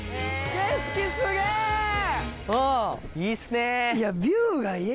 いいっすね！